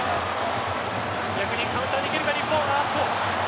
逆にカウンターに行けるか日本。